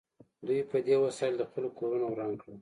دوی په دې وسایلو د خلکو کورونه وران کړل